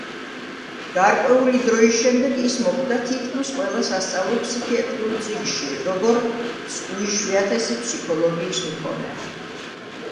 გარკვეული დროის შემდეგ ის მოხვდა თითქმის ყველა სასწავლო ფსიქიატრიულ წიგნში, როგორ უიშვიათესი ფსიქოლოგიის მქონე.